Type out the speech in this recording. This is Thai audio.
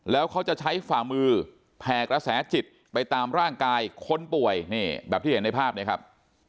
แล้วเขาจะใช้ฝ่ามือแผ่กระแสจิตไปตามร่างกายคนป่วยนี่แบบที่เห็นในภาพนี้ครับ